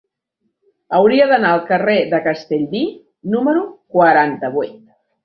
Hauria d'anar al carrer de Castellví número quaranta-vuit.